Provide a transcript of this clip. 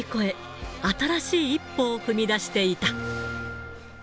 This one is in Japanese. コロナを乗り越え、新しい一歩を踏み出していた。